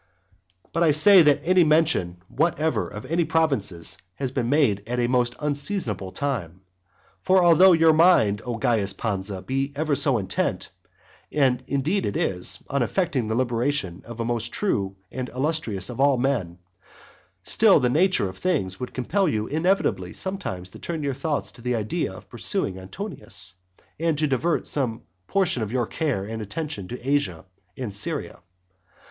But I say that any mention whatever of any provinces has been made at a most unseasonable time. For although your mind, O Caius Pausa, be ever so intent, as indeed it is, on effecting the liberation of the most true and illustrious of all men, still the nature of things would compel you inevitably sometimes to turn your thoughts to the idea of pursuing Antonius, and to divert some portion of your care and attention to Asia and Syria.